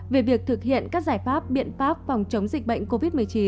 về việc thực hiện các giải pháp biện pháp phòng chống dịch bệnh covid một mươi chín